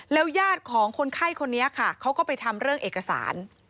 ยาดของคนไข้คนนี้ค่ะเขาก็ไปทำเรื่องเอกสาร